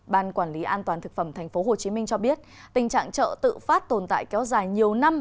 ban quản lý an toàn thực phẩm tp hcm cho biết tình trạng chợ tự phát tồn tại kéo dài nhiều năm